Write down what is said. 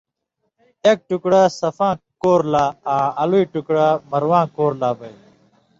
اېک ٹکڑہ صفاں کور لا آں اَلُوۡئ ٹکڑہ مرواں کور لا بَیلیۡ۔